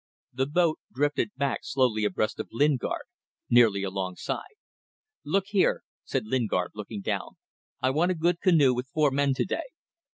The boat drifted back slowly abreast of Lingard, nearly alongside. "Look here," said Lingard, looking down "I want a good canoe with four men to day."